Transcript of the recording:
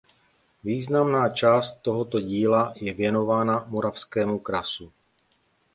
Významná část tohoto díla je věnována Moravskému krasu.